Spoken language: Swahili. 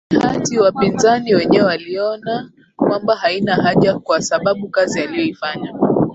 ni hata wapinzani wenyewe waliona kwamba haina haja kwa sababu kazi aliyoifanya